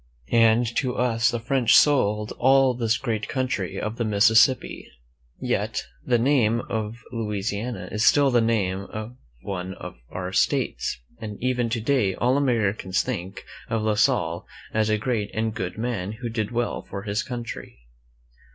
And to us the French sold all ; this great country of the Mississippi. Yet the ii name of Louisiana is still the name of one of J our States, and even to day all Americans think of La Salle as a great and good man who did well for his country.